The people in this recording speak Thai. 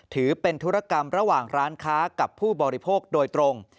ถือเป็นธุรกรรมระหว่างร้านค้ากับผู้บริโภคโดยตรง